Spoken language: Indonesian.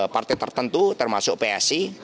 partai tertentu termasuk psi